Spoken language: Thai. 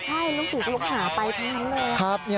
ใช่ลูกศิษย์ลูกหาไปทั้งนั้นเลย